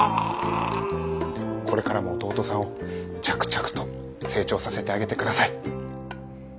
これからも弟さんを着々と成長させてあげて下さい。